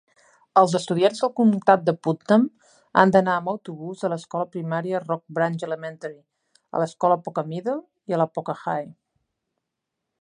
Els estudiants del comtat de Putnam han d'anar amb autobús a l'escola primària Rock Branch Elementary, a l'escola Poca Middle i a la Poca High.